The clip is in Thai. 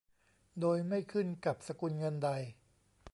โดยไม่ขึ้นกับสกุลเงินใด